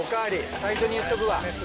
最初に言っとくわ。